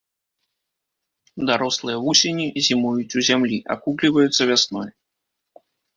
Дарослыя вусені зімуюць у зямлі, акукліваюцца вясной.